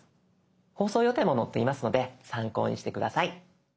放送予定も載っていますので参考にして下さい。